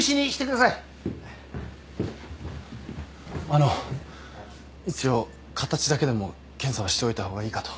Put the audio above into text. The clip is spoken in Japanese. あの一応形だけでも検査はしておいた方がいいかと。